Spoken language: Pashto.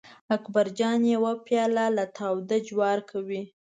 اکبر جان یو پیاله له تاوده جواري کوي.